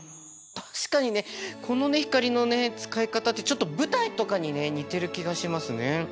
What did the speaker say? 確かにねこのね光のね使い方ってちょっと舞台とかにね似てる気がしますね。